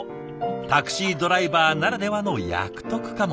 タクシードライバーならではの役得かも。